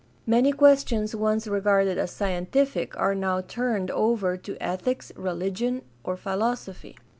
Many questions once regarded as scientific are now turned over to ethics, religion, or philosophy.